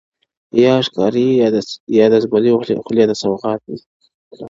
یا ښکاري یا د زمري خولې ته سوغات سم -